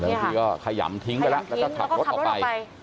บางทีก็ขยำทิ้งไปแล้วแล้วก็ขับรถออกไป